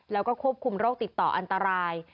แล้วก็ควบคุมโรคติดต่ออันตราย